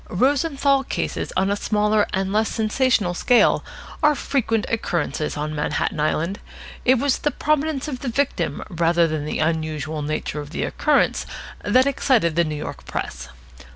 Rosenthal cases on a smaller and less sensational scale are frequent occurrences on Manhattan Island. It was the prominence of the victim rather than the unusual nature of the occurrence that excited the New York press.